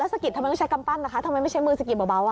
แล้วสกิดทำไมไม่ใช่กำปั้นนะคะทำไมไม่ใช่มือสกิดเบาน่ะ